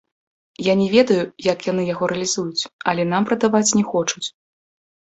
Я не ведаю, як яны яго рэалізуюць, але нам прадаваць не хочуць.